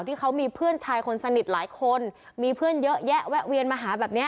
ที่เขามีเพื่อนชายคนสนิทหลายคนมีเพื่อนเยอะแยะแวะเวียนมาหาแบบเนี้ย